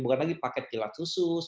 bukan lagi paket kilat khusus